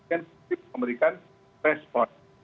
kita memberikan respon